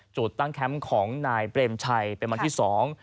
จุดตั้งแคมป์ของนายเปรมชัยเป็นวันที่สอง